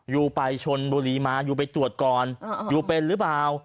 ยูไปชนบุรีมายูไปตรวจก่อนยูเป็นหรือเปล่า